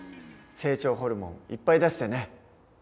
成長ホルモンいっぱい出してね。